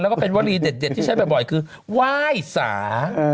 แล้วก็เป็นวลีเด็ดที่ใช้บ่อยคือไหว้สา